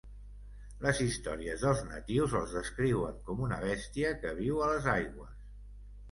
Les històries dels natius el descriuen com una bèstia que viu a les aigües.